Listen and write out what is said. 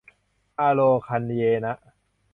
อาโรคะเยนะ